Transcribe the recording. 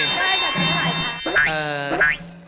ได้ค่ะจะได้ค่ะ